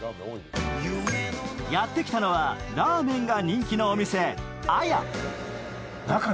やってきたのはラーメンが人気のお店、彩。